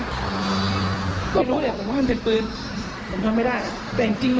ไม่ฟ้าไม่รู้หรอกผมว่ามันเป็นเปลือนผมทำไม่ได้แต่จริง